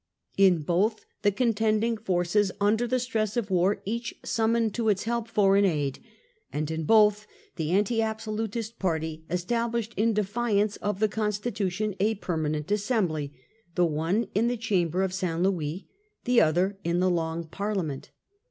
In both, the contending forces, under the stresf of war. 28 Prelude to the Fronde . 1648s each summoned to its help foreign aid ; and in both, the anti absolutist party established in defiance of the con stitution a permanent assembly, the one in the Chamber of St. Louis, the other in the Long Parliament.